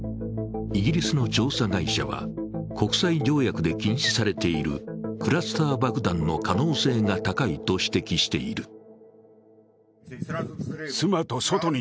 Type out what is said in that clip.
イギリスの調査会社は国際条約で禁止されているクラスター爆弾の可能性が高いと指摘している。